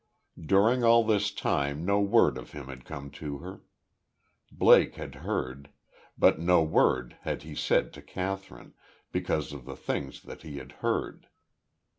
During all this time no word of him had come to her. Blake had heard. But no word had he said to Kathryn, because of the things that he had heard.